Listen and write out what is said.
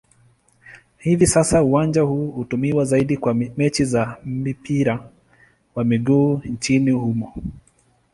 Hivi sasa uwanja huu hutumiwa zaidi kwa mechi za mpira wa miguu nchini humo.